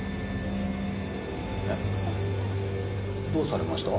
えっどうされました？